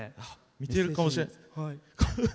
見てるかもしれないです。